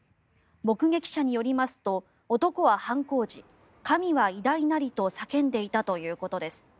目撃者によりますと、男は犯行時神は偉大なりと叫んでいたということです。